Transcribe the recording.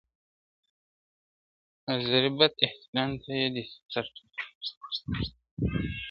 د آذري بت احترام ته يې دی سر ټيټ کړئ,